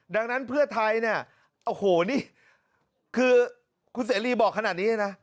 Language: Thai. ดังนั้นเพื่อไทยเนี่ยโอ้โหนี่คือคุณเสรีบอกขนาดนี้เลยนะ